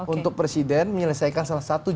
untuk presiden menyelesaikan salah satu